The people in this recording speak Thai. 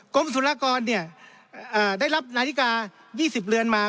กรมศุลากรได้รับนาฬิกา๒๐เรือนมา